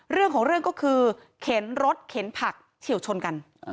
เรื่องของเรื่องก็คือเข็นรถเข็นผักเฉียวชนกัน